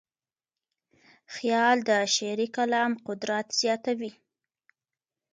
خیال د شعري کلام قدرت زیاتوي.